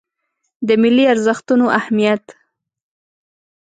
د ملي ارزښتونو اهمیت